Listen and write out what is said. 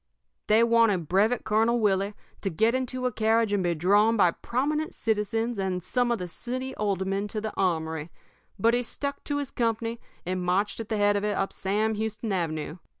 "They wanted Brevet Colonel Willie to get into a carriage and be drawn by prominent citizens and some of the city aldermen to the armory, but he stuck to his company and marched at the head of it up Sam Houston Avenue.